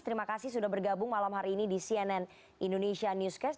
terima kasih sudah bergabung malam hari ini di cnn indonesia newscast